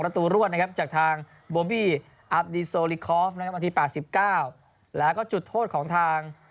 กระตูรวดนะครับจากทางนะครับอาทิตย์ป่าวสิบเก้าแล้วก็จุดโทษของทาง